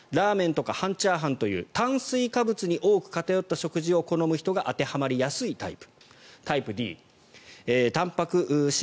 ラーメンとか半チャーハンとか炭水化物に多く偏った食事を好む人が当てはまりやすいタイプ。